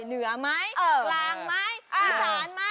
เหนือไหมกลางไหมอีสานไหม